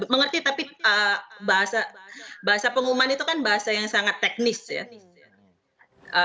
mengerti tapi bahasa pengumuman itu kan bahasa yang sangat teknis ya